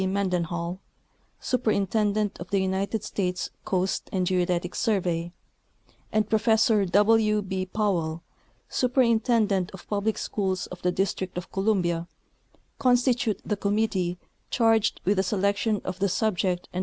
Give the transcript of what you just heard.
Mendenhall, Superintendent of the United States Coast and Geodetic Survey, and Professor W. B. Powell, Superintendent of Public Schools of the District of Columbia, constitute the com mittee charged with the award of the prizes for 1893.